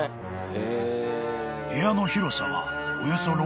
［部屋の広さは］